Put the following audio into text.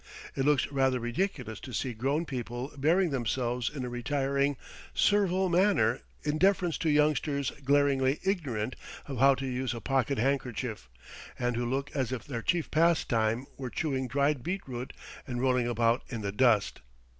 It looks rather ridiculous to see grown people bearing themselves in a retiring, servile manner in deference to youngsters glaringly ignorant of how to use a pocket handkerchief, and who look as if their chief pastime were chewing dried beetroot and rolling about in the dust.